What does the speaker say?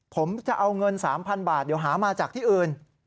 ผมจะเอาเงิน๓๐๐บาทเดี๋ยวหามาจากที่อื่น